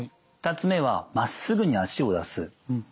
２つ目はまっすぐに足を出す。